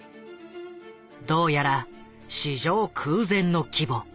どうやら史上空前の規模